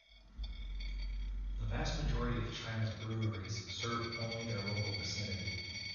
The vast majority of China's breweries serve only their local vicinity.